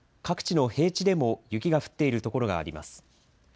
各地の平地でも雪が降っている所があります。